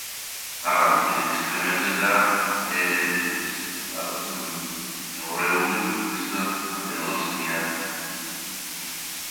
მაღალი ქედების თხემებზე და ბედენის პლატოზე მეორეული მთის მდელოს ნიადაგებია.